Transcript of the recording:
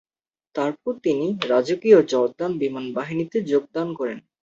তারপর তিনি রাজকীয় জর্দান বিমান বাহিনীতে যোগদান করেন।